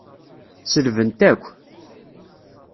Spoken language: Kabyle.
Selbent akk.